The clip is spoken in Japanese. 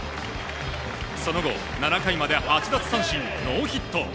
その後、７回まで８奪三振ノーヒット。